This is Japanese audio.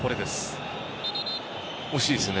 惜しいですね。